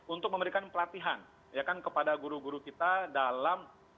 untuk memberikan pelatihan kepada guru guru kita dalam